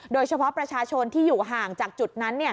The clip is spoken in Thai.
โดยเฉพาะประชาชนที่อยู่ห่างจากจุดนั้น